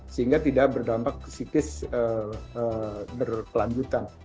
sehingga tidak berdampak psikis berkelanjutan